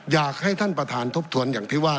อยากให้ท่านประธานทบทวนอย่างที่ว่า